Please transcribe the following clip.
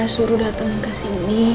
suruh datang kesini